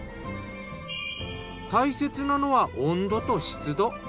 大切なのは温度と湿度。